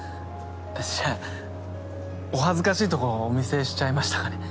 じゃあお恥ずかしいとこお見せしちゃいましたかね。